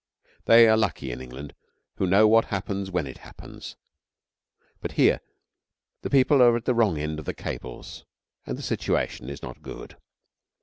They are lucky in England who know what happens when it happens, but here the people are at the wrong end of the cables, and the situation is not good.